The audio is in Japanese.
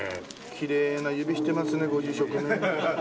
きれいな指してますねご住職ね。